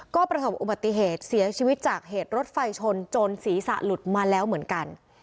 ก็ประสบอุบัติเหตุเสียชีวิตจากเหตุรถไฟชนจนศีรษะหลุดมาแล้วเหมือนกัน